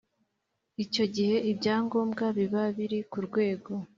Icyo gihe ibyangombwa biba biri ku rwego